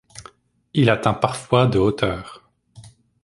Il atteint parfois de hauteur.